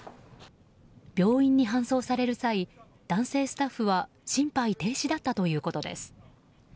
病院に搬送される際男性スタッフは心肺停止だったということです。